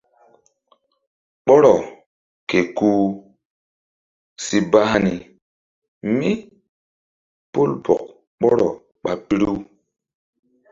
Ɓɔrɔ ke kuh si ba hani mí pol bɔk ɓɔrɔ ɓa piru.